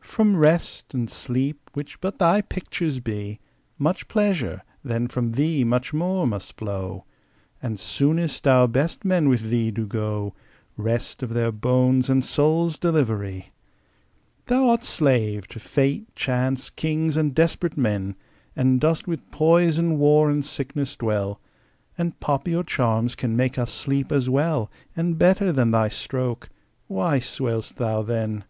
From Rest and Sleep, which but thy picture be, Much pleasure, then from thee much more must flow; And soonest our best men with thee do go Rest of their bones and souls' delivery! Thou'rt slave to fate, chance, kings, and desperate men, And dost with poison, war, and sickness dwell; And poppy or charms can make us sleep as well And better than thy stroke. Why swell'st thou then?